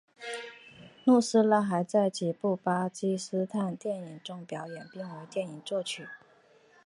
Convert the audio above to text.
努斯拉还在几部巴基斯坦电影中表演并为电影作曲。